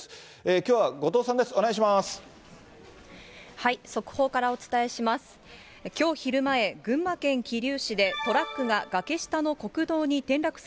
きょうは、後藤さんです。